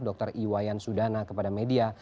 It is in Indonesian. dr iwayan sudana kepada media